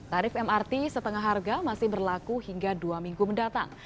tarif mrt setengah harga masih berlaku hingga dua minggu mendatang